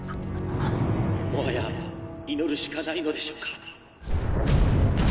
「もはや祈るしかないのでしょうか」。